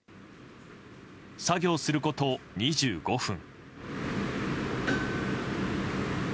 作業すること２５分。